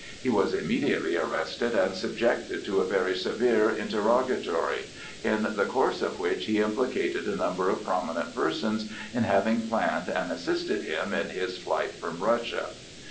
He was immediately arrested and subjected to a very severe interrogatory, in the course of which he implicated a number of prominent persons in having planned and assisted him in his flight from Russia.